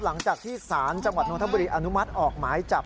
หลังจากที่ศาลจังหวัดนทบุรีอนุมัติออกหมายจับ